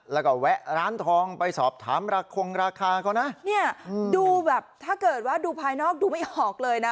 แล้วก็แวะร้านทองไปสอบถามราคงราคาเขานะเนี่ยดูแบบถ้าเกิดว่าดูภายนอกดูไม่ออกเลยนะ